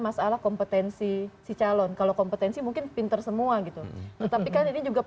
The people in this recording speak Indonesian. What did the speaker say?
masalah kompetensi si calon kalau kompetensi mungkin pinter semua gitu tetapi kan ini juga